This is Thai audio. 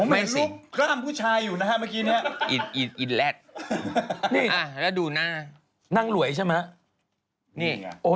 ไม่สิอีดแหลดแล้วดูหน้านั่งหลวยใช่ไหม